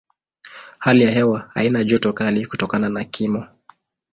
Hali ya hewa haina joto kali kutokana na kimo.